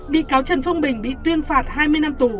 bị cáo trần phương bình bị tuyên phạt hai mươi năm tù